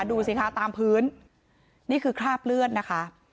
ดูสิคะตามพื้นนี่คือคราบเลือดนะคะ